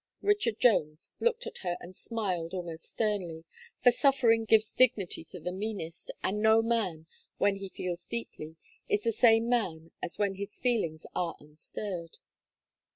Richard Jones looked at her and smiled almost sternly, for suffering gives dignity to the meanest, and no man, when he feels deeply, is the same man as when his feelings are unstirred.